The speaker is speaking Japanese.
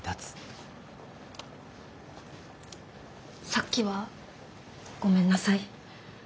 さっきはごめんなさい。